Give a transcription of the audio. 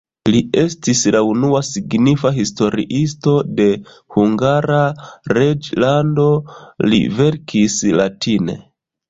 Li estis la unua signifa historiisto de Hungara reĝlando, li verkis latine.